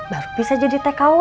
baru bisa jadi tkw